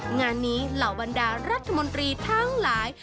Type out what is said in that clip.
งานนี้เหล่าบรรดารัฐมนตรีทั้งหลาย